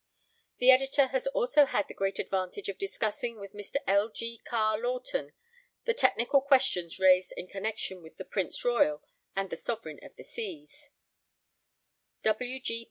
The Editor has also had the great advantage of discussing with Mr. L. G. Carr Laughton the technical questions raised in connexion with the Prince Royal and the Sovereign of the Seas.